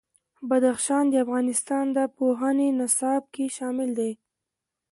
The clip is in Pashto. بدخشان د افغانستان د پوهنې نصاب کې شامل دي.